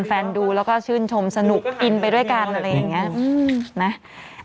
ดูแล้วก็ชื่นชมสนุกอินไปด้วยกันอะไรอย่างนี้นะ